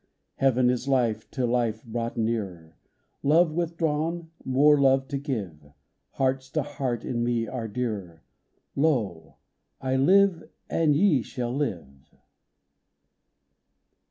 Heaven is life to Life brought nearer : Love withdraws, more love to give :" Hearts to hearts in Me are dearer ; Lo ! I live, and ye shall live